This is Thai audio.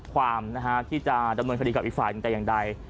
ความที่จะดำเนินคดีกับอีกฝ่ายตัวอย่างใด